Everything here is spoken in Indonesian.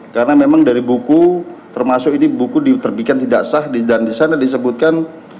karena memang dari buku termasuk ini buku diterbitkan tidak sah dan di sana disebutkan